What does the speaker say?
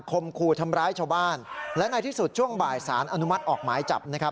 คมคู่ทำร้ายชาวบ้านและในที่สุดช่วงบ่ายสารอนุมัติออกหมายจับนะครับ